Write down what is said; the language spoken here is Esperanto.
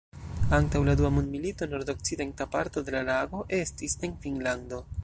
Antaŭ la dua mondmilito nordokcidenta parto de la lago estis en Finnlando.